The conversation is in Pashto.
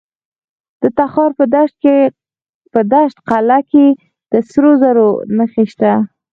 د تخار په دشت قلعه کې د سرو زرو نښې شته.